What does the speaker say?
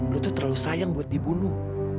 lu tuh terlalu sayang buat dibunuh